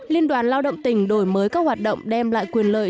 liên đoàn lao động tỉnh đổi mới các hoạt động đem lại quyền lợi